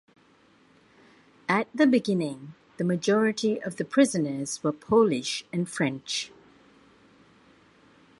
At the beginning, the majority of the prisoners were Polish and French.